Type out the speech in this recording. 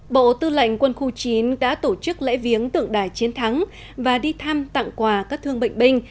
bộ tư lệnh quân khu chín đã tổ chức lễ viếng tượng đài chiến thắng và đi thăm tặng quà các thương bệnh binh